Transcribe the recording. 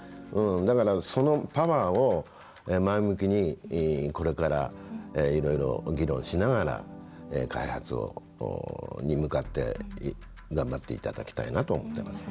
だから、そのパワーを前向きにこれから、いろいろ議論しながら開発に向かって頑張っていただきたいなと思います。